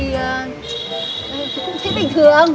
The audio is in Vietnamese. không thấy bình thường